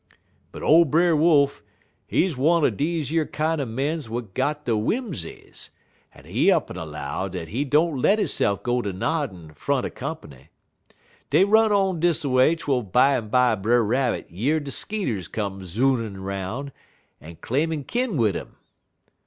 "But ole Brer Wolf, he one er deze yer kinder mens w'at got de whimzies, en he up'n 'low dat he don't let hisse'f git ter noddin' front er comp'ny. Dey run on dis a way twel bimeby Brer Rabbit year de skeeters come zoonin' 'roun', en claimin' kin wid 'im."